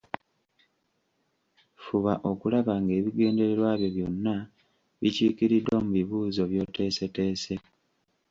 Fuba okulaba ng’ebigendererwa byo byonna bikiikiriddwa mu bibuuzo by’oteeseteese